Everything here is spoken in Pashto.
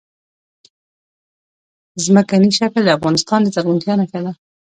ځمکنی شکل د افغانستان د زرغونتیا نښه ده.